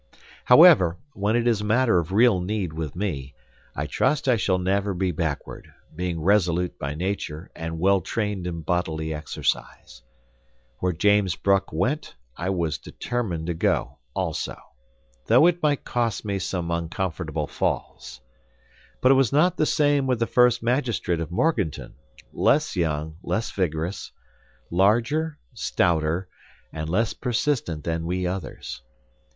However, when it is a matter of real need with me, I trust I shall never be backward, being resolute by nature and well trained in bodily exercise. Where James Bruck went, I was determined to go, also; though it might cost me some uncomfortable falls. But it was not the same with the first magistrate of Morganton, less young, less vigorous, larger, stouter, and less persistent than we others.